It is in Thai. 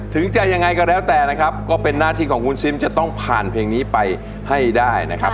ถึงจะยังไงก็แล้วแต่นะครับก็เป็นหน้าที่ของคุณซิมจะต้องผ่านเพลงนี้ไปให้ได้นะครับ